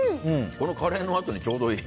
これ、カレーのあとにちょうどいい。